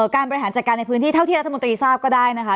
การบริหารจัดการในพื้นที่เท่าที่รัฐมนตรีทราบก็ได้นะคะ